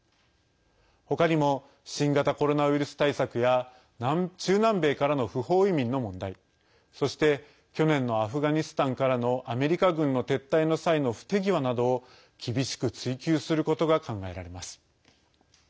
他にも新型コロナウイルス対策や中南米からの不法移民の問題そして、去年のアフガニスタンからのアメリカ軍の撤退の際の不手際など厳しく追及することが考えられます。